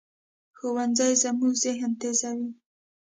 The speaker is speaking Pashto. ښوونځی زموږ ذهن تیزوي